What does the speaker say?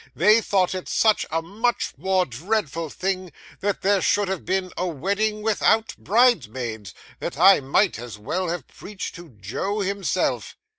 They thought it such a much more dreadful thing that there should have been a wedding without bridesmaids, that I might as well have preached to Joe himself.